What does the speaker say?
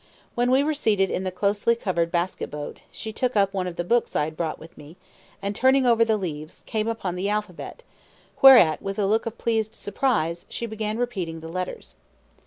When we were seated in the closely covered basket boat, she took up one of the books I had brought with me, and, turning over the leaves, came upon the alphabet; whereat, with a look of pleased surprise, she began repeating the letters.